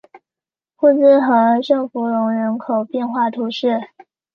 库兹和圣弗龙人口变化图示